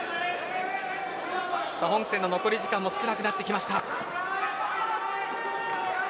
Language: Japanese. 本戦の残り時間も少なくなってきました。